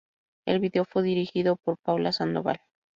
El video fue dirigido por Paula Sandoval.